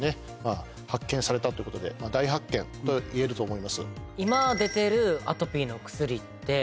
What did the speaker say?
大発見といえると思います。